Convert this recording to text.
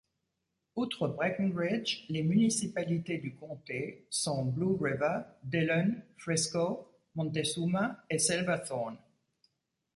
Outre Breckenridge, les municipalités du comté sont Blue River, Dillon, Frisco, Montezuma et Silverthorne.